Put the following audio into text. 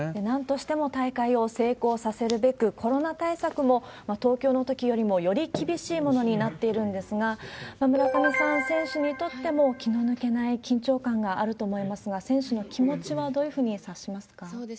なんとしても大会を成功させるべく、コロナ対策も東京のときよりもより厳しいものになっているんですが、村上さん、選手にとっても気の抜けない緊張感があると思いますが、選手の気持ちはどういうふうに察しますか？